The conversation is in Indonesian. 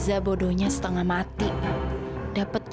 malam malam sekunstrain gue